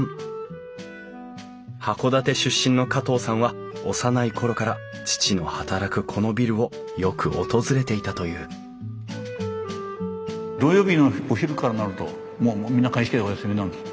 函館出身の加藤さんは幼い頃から父の働くこのビルをよく訪れていたという土曜日のお昼からなるともうみんな会社お休みなんです。